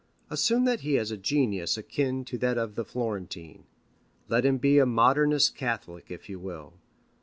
Assume that he has a genius akin to that of the Florentine. Let him be a Modernist Catholic if you will.